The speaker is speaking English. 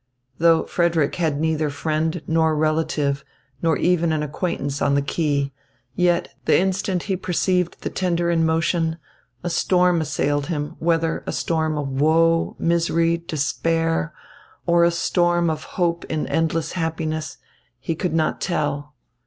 Though Frederick had left neither friend nor relative nor even an acquaintance on the quay, yet, the instant he perceived the tender in motion, a storm assailed him, whether a storm of woe, misery, despair, or a storm of hope in endless happiness, he could not tell.